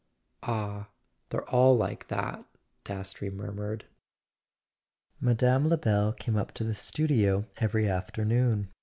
"Ah, they're all like that," Dastrey murmured. Mme. Lebel came up to the studio every afternoon.